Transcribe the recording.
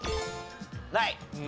ない。